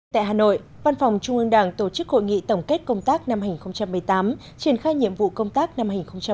tại hà nội văn phòng trung ương đảng tổ chức hội nghị tổng kết công tác năm hai nghìn một mươi tám triển khai nhiệm vụ công tác năm hai nghìn một mươi chín